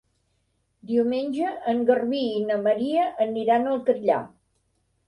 Diumenge en Garbí i na Maria aniran al Catllar.